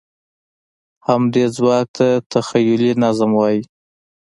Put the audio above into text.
همدې ځواک ته تخیلي نظم وایي.